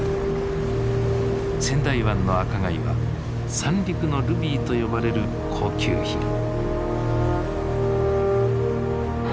仙台湾の赤貝は三陸のルビーと呼ばれる高級品。